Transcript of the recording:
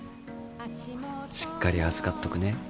しっかり預かっとくね。